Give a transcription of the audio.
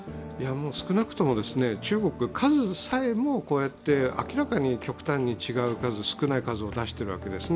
少なくとも中国、数さえもこうやって、明らかに違う数、少ない数を出しているわけですね。